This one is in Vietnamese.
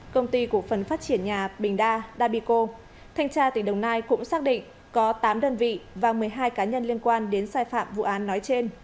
công ty cổ phần phát triển nhà bình đa dabico thanh tra tỉnh đồng nai cũng xác định có tám đơn vị và một mươi hai cá nhân liên quan đến sai phạm vụ án nói trên